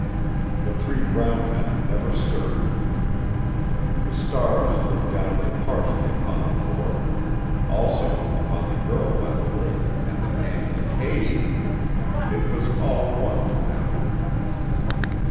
The three brown men never stirred. The stars looked down impartially upon the four; also upon the girl by the lake and the man in the cave. It was all one to them.